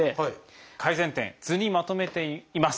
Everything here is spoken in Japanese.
改善点図にまとめています。